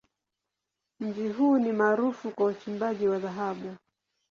Mji huu ni maarufu kwa uchimbaji wa dhahabu.